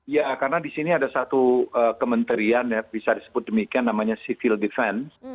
ya karena di sini ada satu kementerian ya bisa disebut demikian namanya civil defense